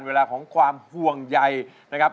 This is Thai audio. เวลาของความห่วงใยนะครับ